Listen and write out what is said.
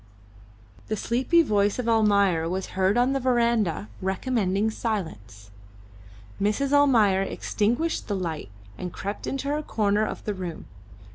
The sleepy voice of Almayer was heard on the verandah recommending silence. Mrs. Almayer extinguished the light and crept into her corner of the room.